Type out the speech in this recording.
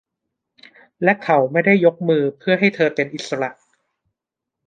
และเขาไม่ได้ยกมือเพื่อให้เธอเป็นอิสระ